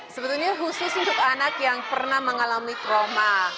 sebetulnya khusus untuk anak yang pernah mengalami trauma